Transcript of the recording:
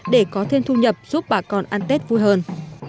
để có thêm thu nhập giúp bà con ăn tết vui hơn